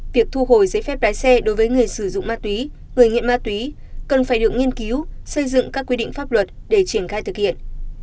việc thu hồi giấy phép lái xe đối với người sử dụng ma túy người nghiện ma túy cần phải được nghiên cứu xây dựng các quy định pháp luật để triển khai thực hiện